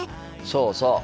そうそう。